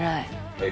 はい。